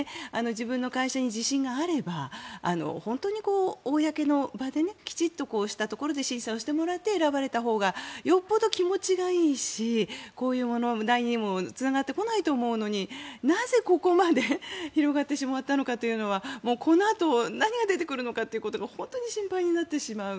自分の会社に自信があれば本当に公の場できちんとこうしたところで審査をしてもらって選ばれたほうがよほど気持ちがいいしこういうものにも何もつながってこないと思うしなぜ、ここまで広がってしまったのかというのはこのあと何が出てくるのかってことが本当に心配になってしまう。